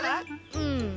うん。